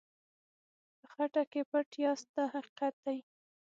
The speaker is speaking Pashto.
په خټه کې پټ یاست دا حقیقت دی.